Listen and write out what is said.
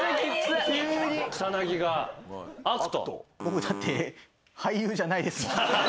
草薙が「ａｃｔ」僕だって俳優じゃないですもん。